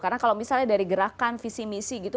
karena kalau misalnya dari gerakan visi misi gitu